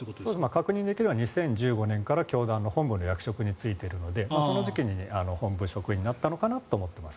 確認できるのは２０１５年から、教団の役職に就いているのでその時期に本部職員になったのかなと。